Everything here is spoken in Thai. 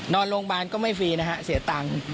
นอนโรงพยาบาลก็ไม่ฟรีนะฮะเสียตังค์